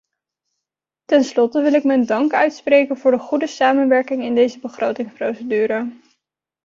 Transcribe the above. Ten slotte wil ik mijn dank uitspreken voor de goede samenwerking in deze begrotingsprocedure.